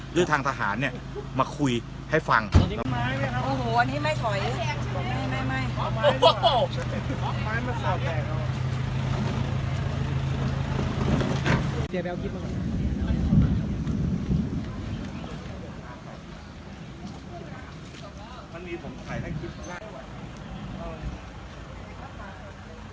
หรือทางทหารเนี้ยมาคุยให้ฟังอันนี้ไม่ถอยไม่ไม่ไม่